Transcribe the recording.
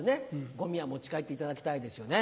ゴミは持ち帰っていただきたいですよね。